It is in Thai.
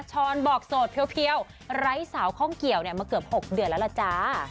ช้อนบอกโสดเพียวไร้สาวข้องเกี่ยวมาเกือบ๖เดือนแล้วล่ะจ้า